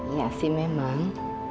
iya sih memang